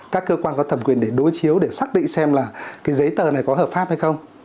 các cơ quan có thẩm quyền để đối chiếu để xác định xem là cái giấy tờ này có hợp pháp hay không